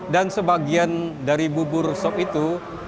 sebagian dari bubur sop itu